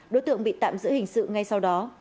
đối tượng bị tạm giữ hình sự ngay sau đó